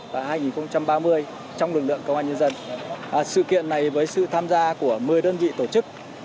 hai nghìn hai mươi một và hai nghìn ba mươi trong lực lượng công an nhân dân sự kiện này với sự tham gia của một mươi đơn vị tổ chức